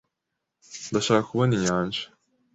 Ndashaka kubona inyanja.